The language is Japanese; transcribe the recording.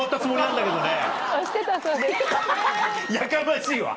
やかましいわ！